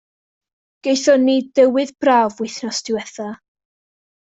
Gethon ni dywydd braf wythnos ddiwetha'.